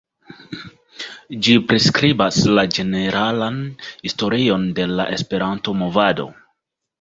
Ĝi priskribas la ĝeneralan historion de la Esperanto-movado.